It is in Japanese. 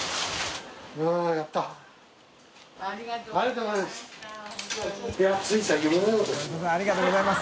伴圓気ありがとうございます。